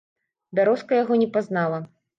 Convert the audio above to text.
Бярозка яго не пазнала.